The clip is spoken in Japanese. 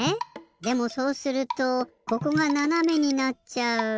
でもそうするとここがななめになっちゃう。